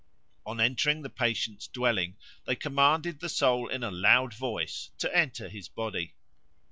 On entering the patient's dwelling they commanded the soul in a loud voice to enter his body.